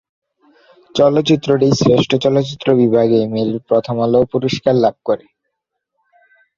চলচ্চিত্রটি শ্রেষ্ঠ চলচ্চিত্র বিভাগে মেরিল-প্রথম আলো পুরস্কার লাভ করে।